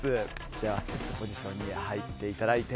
ではセットポジションに入っていただいて。